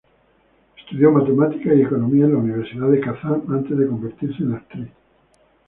Estudió Matemáticas y Economía en la Universidad de Kazán antes de convertirse en actriz.